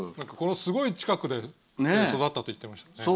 すごい近くで育ったと言っていました。